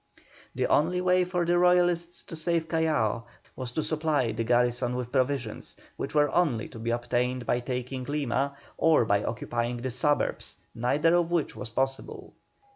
The only way for the Royalists to save Callao was to supply the garrison with provisions, which were only to be obtained by taking Lima, or by occupying the suburbs, neither of which was possible.